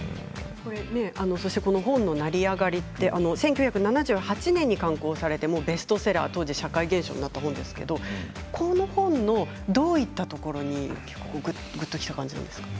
本の「成りあがり」１９７８年に刊行されてベストセラー当時、社会現象になったものですけれどもこの本のどういったところにぐっときた感じなんですか？